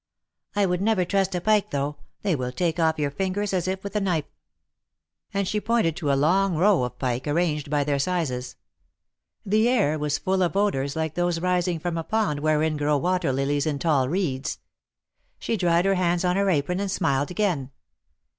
I would never trust a pike though ; they will take off your fingers as with a knife." THE MARKETS OF PARIS. 145 And she pointed to a long row of pike, arranged by their sizes. The air was full of odors like those rising from a pond wherein grow water lilies and tall reeds. She dried her hands on her apron and smiled again.